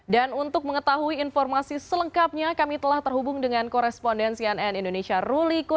dan untuk mengetahui informasi selengkapnya kami telah terhubung dengan korespondensian n indonesia ruli kurema